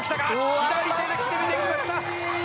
左手で決めてきました。